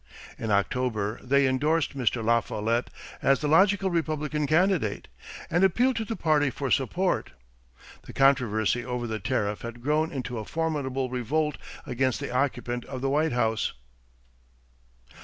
In October they indorsed Mr. La Follette as "the logical Republican candidate" and appealed to the party for support. The controversy over the tariff had grown into a formidable revolt against the occupant of the White House.